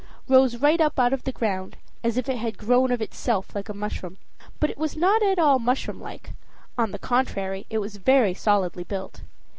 Rose right up out of the ground, as if it had grown of itself, like a mushroom. But it was not at all mushroom like; on the contrary, it was very solidly built.